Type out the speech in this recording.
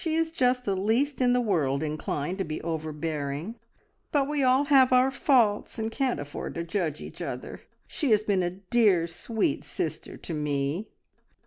She is just the least in the world inclined to be overbearing, but we all have our faults, and can't afford to judge each other. She has been a dear sweet sister to me!"